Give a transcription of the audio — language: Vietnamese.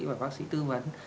và bác sĩ tư vấn